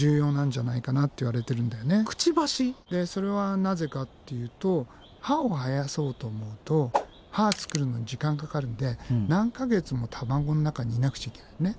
でそれはなぜかっていうと歯を生やそうと思うと歯作るのに時間かかるんで何か月も卵の中にいなくちゃいけないのね。